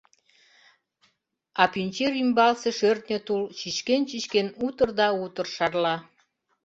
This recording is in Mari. А пӱнчер ӱмбалсе шӧртньӧ тул чӱчкен-чӱчкен утыр да утыр шарла.